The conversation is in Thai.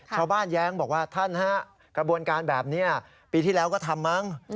แย้งบอกว่าท่านฮะกระบวนการแบบนี้ปีที่แล้วก็ทำมั้ง